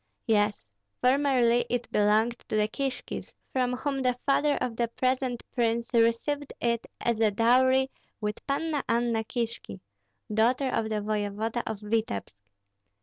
"Yes. Formerly it belonged to the Kishkis, from whom the father of the present prince received it as dowry with Panna Anna Kishki, daughter of the voevoda of Vityebsk.